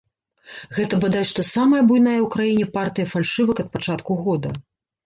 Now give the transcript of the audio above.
Гэта бадай што самая буйная ў краіне партыя фальшывак ад пачатку года.